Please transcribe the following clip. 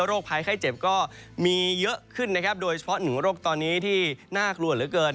ภัยไข้เจ็บก็มีเยอะขึ้นนะครับโดยเฉพาะหนึ่งโรคตอนนี้ที่น่ากลัวเหลือเกิน